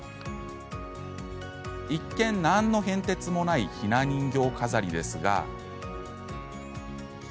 一見、なんの変哲もないひな人形飾りですが。